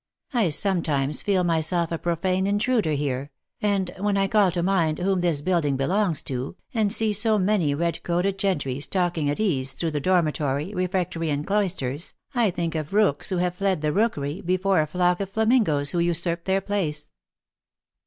I sometimes feel myself a profane intruder here, and, when I call to mind whom this building belongs to, and see so many red coated gentry stalking at ease through dormitory, refectory and cloisters, I think of rooks who have fled the rookery, before a flock of flamingoes who usurp their place."